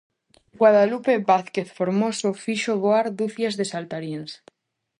Guadalupe Vázquez Formoso fixo voar ducias de saltaríns.